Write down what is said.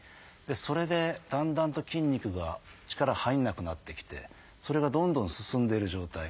それでだんだんと筋肉が力入らなくなってきてそれがどんどん進んでいる状態。